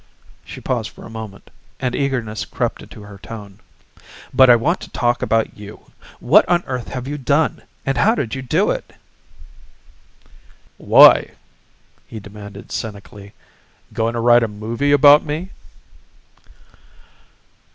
She paused for a moment, and eagerness crept into her tone. "But I want to talk about you. What on earth have you done and how did you do it?" "Why?" he demanded cynically. "Going to write a movie, about me?"